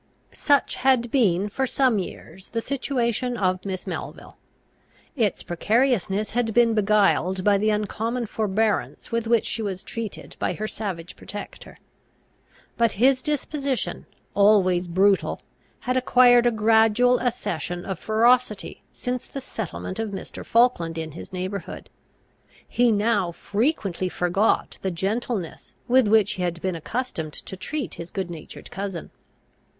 Such had been for some years the situation of Miss Melville. Its precariousness had been beguiled by the uncommon forbearance with which she was treated by her savage protector. But his disposition, always brutal, had acquired a gradual accession of ferocity since the settlement of Mr. Falkland in his neighbourhood. He now frequently forgot the gentleness with which he had been accustomed to treat his good natured cousin.